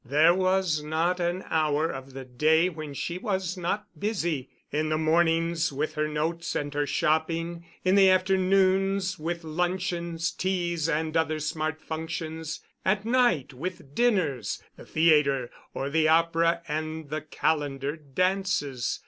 There was not an hour of the day when she was not busy—in the mornings with her notes and her shopping, in the afternoons with luncheons, teas, and other smart functions, at night with dinners, the theatre, or the opera and the calendared dances.